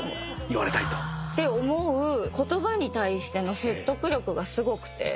言われたいと。って思う言葉に対しての説得力がすごくて。